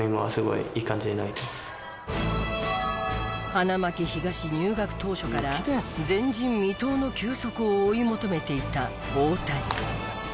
花巻東入学当初から前人未到の球速を追い求めていた大谷。